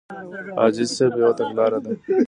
عاجزي صرف يوه تګلاره ده.